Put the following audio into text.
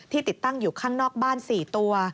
ติดตั้งอยู่ข้างนอกบ้าน๔ตัว